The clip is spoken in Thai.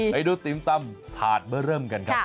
ไปดูปริมซั่มทาสเบอร์เริ่มกัน